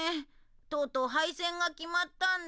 とうとう廃線が決まったんだ。